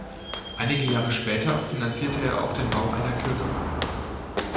Einige Jahre später finanzierte er auch den Bau einer Kirche.